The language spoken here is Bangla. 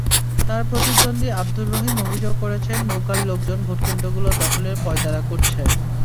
তাঁর প্রতিদ্বন্দ্বী আবদুর রহিম অভিযোগ করেছেন, নৌকার লোকজন ভোটকেন্দ্রগুলো দখলের পাঁয়তারা করছে।